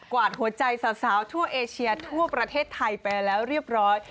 วาดหัวใจสาวทั่วเอเชียทั่วประเทศไทยไปแล้วเรียบร้อย